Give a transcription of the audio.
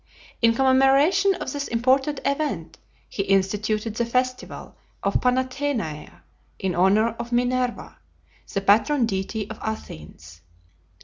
In commemoration of this important event, he instituted the festival of Panathenaea, in honor of Minerva, the patron deity of Athens.